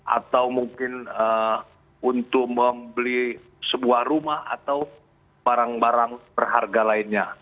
atau mungkin untuk membeli sebuah rumah atau barang barang berharga lainnya